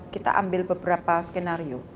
kita ambil beberapa skenario